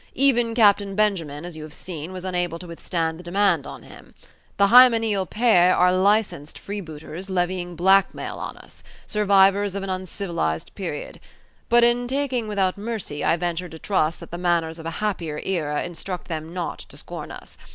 Even Captain Benjamin, as you have seen, was unable to withstand the demand on him. The hymeneal pair are licensed freebooters levying blackmail on us; survivors of an uncivilized period. But in taking without mercy, I venture to trust that the manners of a happier era instruct them not to scorn us.